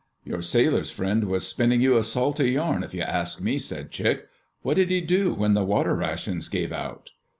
"Your sailor friend was spinning you a salty yarn, if you ask me," said Chick. "What did he do when the water rations gave out?"